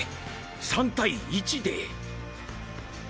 ３対１で。